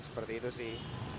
seperti itu sih